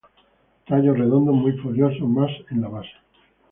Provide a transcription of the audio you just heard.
Tallos redondos, muy foliosos, más en la base.